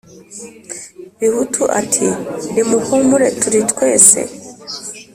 bihutu ati « nimuhumure turi twese,